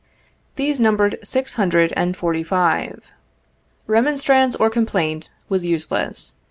These numbered six hundred and forty five. Remonstrance or complaint was useless.